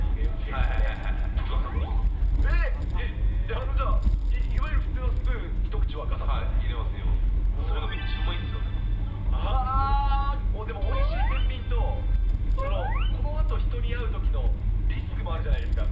じゃあ、あの、じゃ、いわゆる普通のスプーンは、それがめっちゃうまいんですあー、でも、おいしいてんびんと、このあと人に会うときのリスクもあるじゃないですか。